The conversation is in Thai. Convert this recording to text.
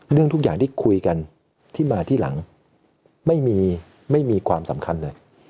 ทุกอย่างที่คุยกันที่มาที่หลังไม่มีไม่มีความสำคัญเลย